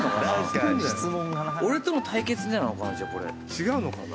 違うのかな。